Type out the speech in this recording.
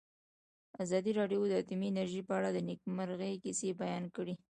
ازادي راډیو د اټومي انرژي په اړه د نېکمرغۍ کیسې بیان کړې.